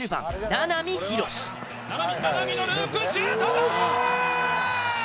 名波のループシュートだ！